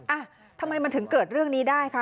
อ่ะทำไมมันถึงเกิดเรื่องนี้ได้คะ